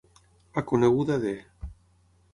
A coneguda de.